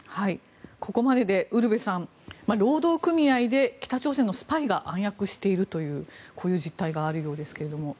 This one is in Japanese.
ここまででウルヴェさん労働組合で北朝鮮のスパイが暗躍しているというこういう実態があるようですけども。